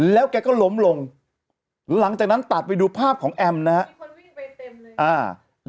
แล้วแกก็ล้มลงหลังจากนั้นตัดไปดูภาพของแอมนะฮะมีคนวิ่งไปเต็มเลย